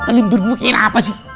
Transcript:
kita libur dulu kira apa sih